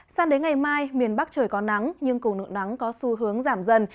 sang đến ngày mai miền bắc trời có nắng nhưng cùng nụ nắng có xu hướng giảm dần